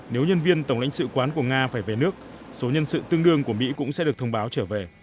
nếu nhân viên tổng lãnh sự quán của nga phải về nước số nhân sự tương đương của mỹ cũng sẽ được thông báo trở về